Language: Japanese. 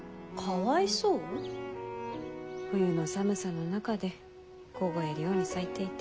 冬の寒さの中で凍えるように咲いていて。